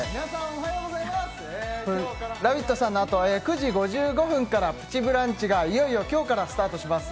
「ラヴィット！」さんのあと、９時５５分から「プチブランチ」がいよいよ今日からスタートします。